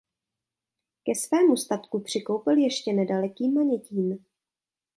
Ke svému statku přikoupil ještě nedaleký Manětín.